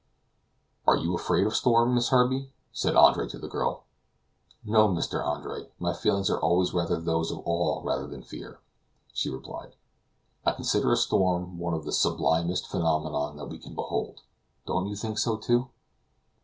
"Are you afraid of a storm. Miss Herbey?" said Andre to the girl. "No, Mr. Andre, my feelings are always rather those of awe than of fear," she replied. "I consider a storm one of the sublimest phenomena that we can behold don't you think so too?"